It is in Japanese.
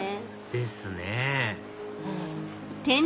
ですね